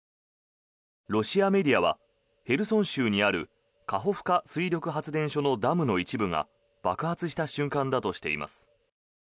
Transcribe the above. ロシアメディアはヘルソン州にあるカホフカ水力発電所のダムの一部が爆発した瞬間だとしています。